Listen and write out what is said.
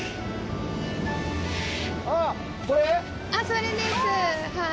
それですはい。